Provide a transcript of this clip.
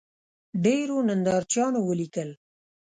ډېرو نندارچیانو ولیکل